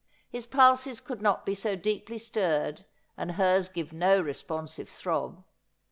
His pulses could not be so deeply stirred and hers give no respon sive throb.